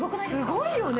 すごいよね！